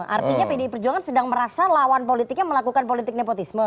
artinya pdi perjuangan sedang merasa lawan politiknya melakukan politik nepotisme